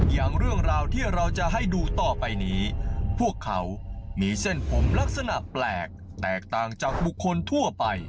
อย่างเรื่องราวที่เราจะให้ดูต่อไปนี้พวกเขามีเส้นผมลักษณะแปลกแตกต่างจากบุคคลทั่วไป